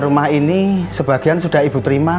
rumah ini sebagian sudah ibu terima